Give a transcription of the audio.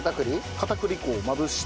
片栗粉をまぶして。